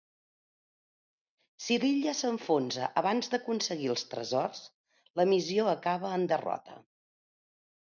Si l'illa s'enfonsa abans d'aconseguir els tresors, la missió acaba en derrota.